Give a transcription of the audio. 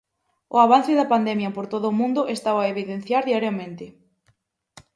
O avance da pandemia por todo o mundo estao a evidenciar diariamente.